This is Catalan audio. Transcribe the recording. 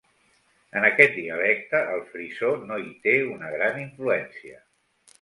En aquest dialecte, el frisó no hi té una gran influència.